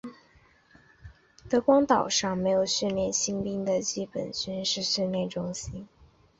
德光岛上设有训练新兵的基本军事训练中心。